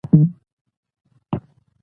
چې تر نورو مخکې واوسی